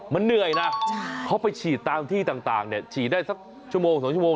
มันเหนื่อยนะเขาไปฉีดตามที่ต่างเนี่ยฉีดได้สักชั่วโมง๒ชั่วโมง